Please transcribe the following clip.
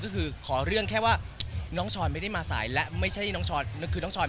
ก็คือขอเรื่องแค่ว่าน้องชอนไม่ได้มาสายและไม่ใช่น้องชอนคือน้องชอน